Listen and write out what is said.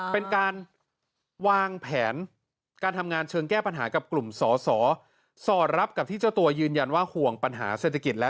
เป็นการวางแผนการทำงานเชิงแก้ปัญหากับกลุ่มสอสอ